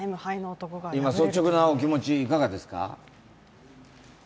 今率直なお気持ち、いかがですか？